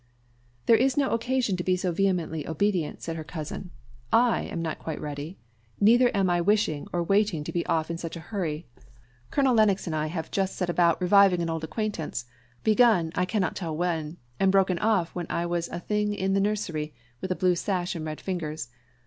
"There is no occasion to be so vehemently obedient," said her cousin; "I am not quite ready, neither am I wishing or waiting to be off in such a hurry. Colonel Lennox and I had just set about reviving an old acquaintance; begun, I can't tell when and broken off when I was a thing in the nursery, with a blue sash and red fingers.